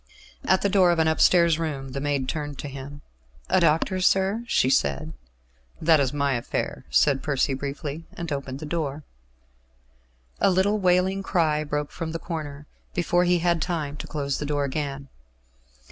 At the door of an upstairs room the maid turned to him. "A doctor, sir?" she said. "That is my affair," said Percy briefly, and opened the door. A little wailing cry broke from the corner, before he had time to close the door again.